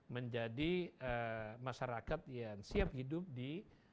menjadi masyarakat yang siap hidup di